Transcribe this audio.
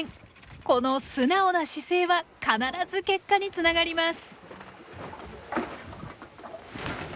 この素直な姿勢は必ず結果につながります。